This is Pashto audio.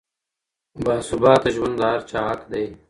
باثباته ژوند د هر چا حق دی.